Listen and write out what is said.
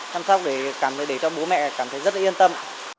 chăm sóc để cho bố mẹ cảm thấy rất yên tâm